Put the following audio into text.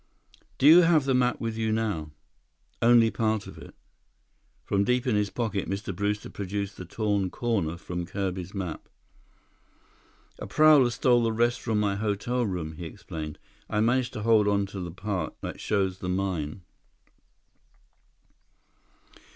"Do you have the map with you now?" "Only part of it." From deep in his pocket, Mr. Brewster produced the torn corner from Kirby's map. "A prowler stole the rest from my hotel room," he explained. "I managed to hold on to the part that shows the mine."